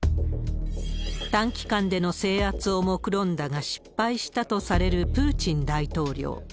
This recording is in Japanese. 短期間での制圧をもくろんだが失敗したとされるプーチン大統領。